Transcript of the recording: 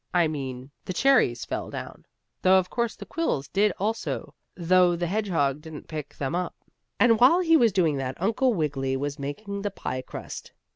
I mean the cherries fell down, though of course the quills did also though the hedgehog didn't pick them up. And while he was doing that Uncle Wiggily was making the pie crust.